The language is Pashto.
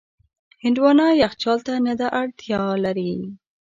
هندوانه یخچال ته نه ده اړتیا لري.